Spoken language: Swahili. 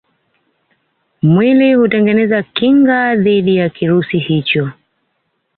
Mwili hutengeneza kinga dhidi ya kirusi hicho